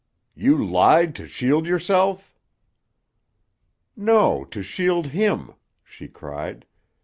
"You lied to shield yourself?" "No, to shield him," she cried.